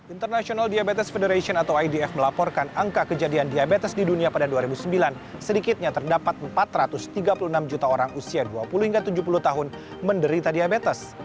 international diabetes federation atau idf melaporkan angka kejadian diabetes di dunia pada dua ribu sembilan sedikitnya terdapat empat ratus tiga puluh enam juta orang usia dua puluh hingga tujuh puluh tahun menderita diabetes